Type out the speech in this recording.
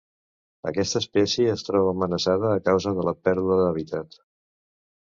Aquesta espècie es troba amenaça a causa de la pèrdua d'hàbitat.